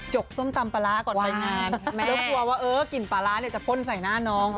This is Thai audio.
กส้มตำปลาร้าก่อนไปงานแล้วกลัวว่าเออกลิ่นปลาร้าเนี่ยจะพ่นใส่หน้าน้อง